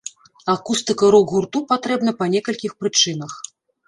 Акустыка рок-гурту патрэбна па некалькіх прычынах.